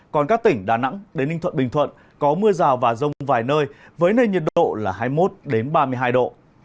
còn các tỉnh đà nẵng đến ninh thuận bình thuận có mưa rào và rông vài nơi với nền nhiệt độ là hai mươi một ba mươi hai độ